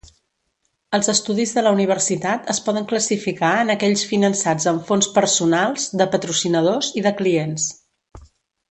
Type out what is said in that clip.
Els estudis de la universitat es poden classificar en aquells finançats amb fons personals, de patrocinadors i de clients.